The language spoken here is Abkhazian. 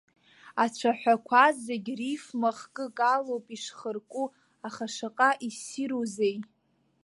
Ацәаҳәақәа зегьы рифма хкык алоуп ишхырку, аха шаҟа иссирузеи!